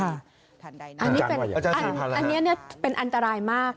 อันนี้เป็นอันตรายมาก